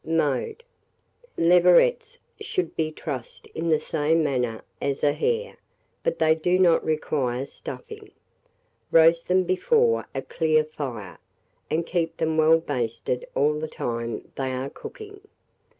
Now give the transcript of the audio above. Mode. Leverets should be trussed in the same manner as a hare, but they do not require stuffing. Roast them before a clear fire, and keep them well basted all the time they are cooking.